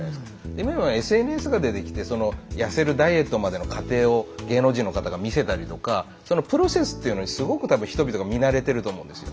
今はＳＮＳが出てきてその痩せるダイエットまでの過程を芸能人の方が見せたりとかそのプロセスというのにすごく多分人々が見慣れてると思うんですよ。